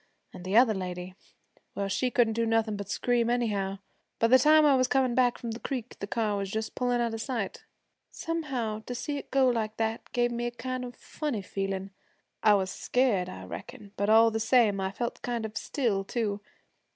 An' the other lady Well, she couldn't do nothin' but scream anyhow. By the time I was comin' back from the creek the car was just pullin' out of sight. Somehow, to see it go like that gave me a kind of funny feelin'. I was scared, I reckon, but all the same I felt kind of still too.